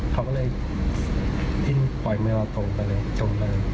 เขาก็เลยปล่อยมือเราจมไปเลย